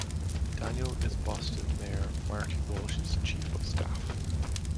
Daniel is Boston Mayor Marty Walsh's chief of staff.